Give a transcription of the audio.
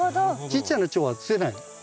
ちっちゃなチョウは吸えないと。